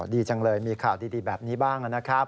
ดีจังเลยมีข่าวดีแบบนี้บ้างนะครับ